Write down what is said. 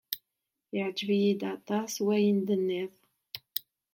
Yeɛjeb-iyi aṭas wayen d-tenniḍ.